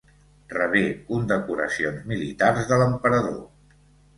Rebé condecoracions militars de l'emperador.